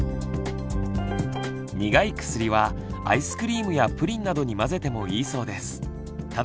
苦い薬はアイスクリームやプリンなどに混ぜてもいいそうです。